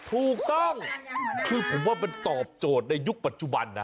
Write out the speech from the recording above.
ถูกต้องคือผมว่ามันตอบโจทย์ในยุคปัจจุบันนะ